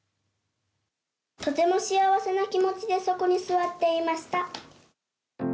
「とても幸せな気持ちでそこに座っていました」。